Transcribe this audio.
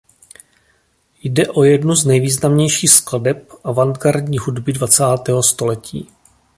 Jde o jednu z nejvýznamnějších skladeb avantgardní hudby dvacátého století.